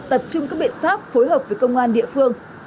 tập trung các biện pháp phối hợp với công an địa phương